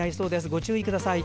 ご注意ください。